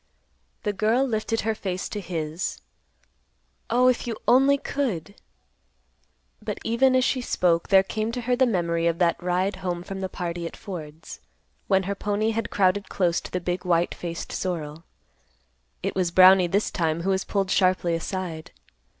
The girl lifted her face to his; "Oh, if you only could!" But, even as she spoke, there came to her the memory of that ride home from the party at Ford's, when her pony had crowded close to the big white faced sorrel. It was Brownie this time who was pulled sharply aside.